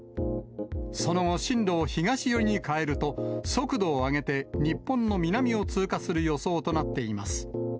その後、進路を東寄りに変えると、速度を上げて日本の南を通過する予想となっています。